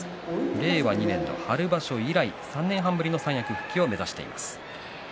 令和２年の春場所以来３年半ぶりの三役復帰を目指しています。